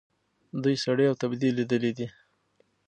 دوی سړې او تودې لیدلي دي.